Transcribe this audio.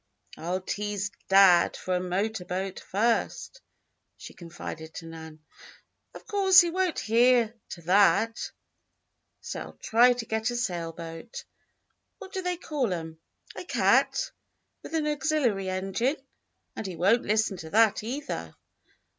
"I'll tease dad for a motor boat first," she confided to Nan. "Of course he won't hear to that. So I'll try to get a sailboat what do they call 'em? a cat, with an auxiliary engine. And he won't listen to that, either."